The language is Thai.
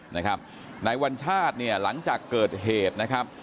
นายวัญชาติหลังจากเกิดเหตุ